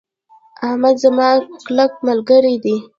احمد زما کلک ملګری ده.